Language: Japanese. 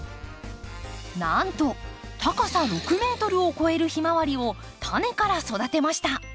なんと高さ６ｍを超えるヒマワリをタネから育てました。